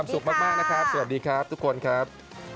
สุขมากนะครับสวัสดีครับทุกคนครับ